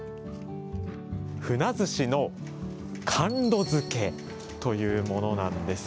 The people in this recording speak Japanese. ふなずしの甘露漬けというものなんですよ。